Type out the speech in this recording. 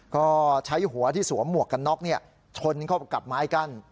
ก็ใช้หัวที่สวมหมวกกันน็อกชนเข้ากับไม้กั้น